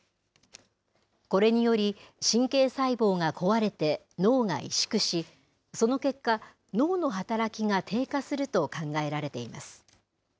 これにより、神経細胞が壊れて脳が萎縮し、その結果、脳の働きが低下すると考えられています。